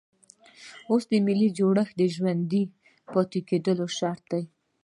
اوس ملي جوړښت د ژوندي پاتې کېدو شرط دی.